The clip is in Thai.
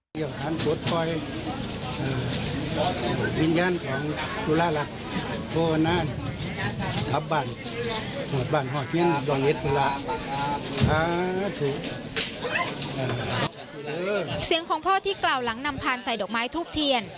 เสียงของพ่อที่กล่าวหลังนำพานใส่ดอกไม้ทูบเทียน